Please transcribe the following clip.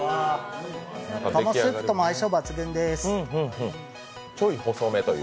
かもスープとも相性抜群です。